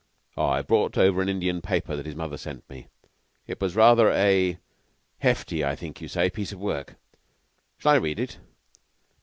"I've brought over an Indian paper that his mother sent me. It was rather a hefty, I think you say piece of work. Shall I read it?"